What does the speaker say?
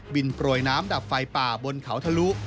บินปล่อยน้ำดับไฟป่าบนเขาทะลุ